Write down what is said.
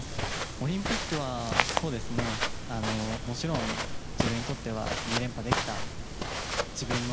オリンピックはもちろん自分にとっては２連覇できた。